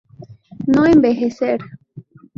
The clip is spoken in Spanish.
No envejecer".